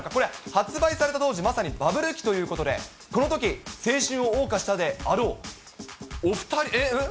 発売された当時、まさにバブル期ということで、このとき、青春を謳歌したであろう、お２人、ん？